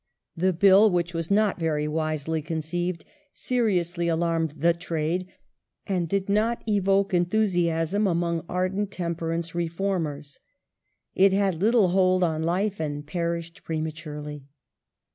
The Bill which was not very wisely conceived, seriously alarmed the " trade," and did not evoke enthusiasm among ardent temperance reformers. It had little hold on life and perished prematurely.